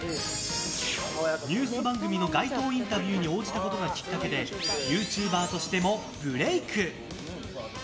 ニュース番組の街頭インタビューに応じたことがきっかけでユーチューバーとしてもブレーク。